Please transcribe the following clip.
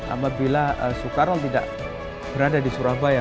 apabila soekarno tidak berada di surabaya